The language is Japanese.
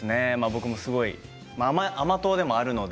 僕、すごい甘党でもあるので。